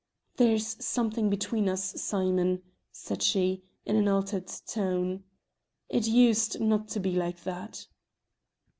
"There's something between us, Simon," said she, in an altered tone; "it used not to be like that."